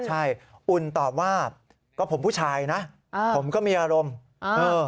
ใช่อุ่นตอบว่าก็ผมผู้ชายนะอ่าผมก็มีอารมณ์เออ